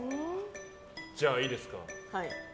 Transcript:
じゃあ、いいですか。